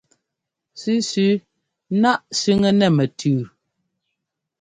Sẅísẅí náʼ sẅiŋɛ́ nɛ́ mɛtʉʉ.